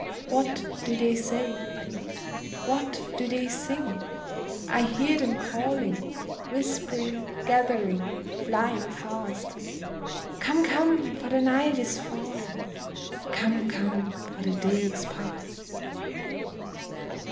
What do they say? What do they sing? I hear them calling, Whispering, gathering, flying fast, 'Come, come, for the night is falling; Come, come, for the day is past!'